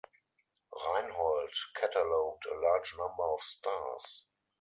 Reinhold catalogued a large number of stars.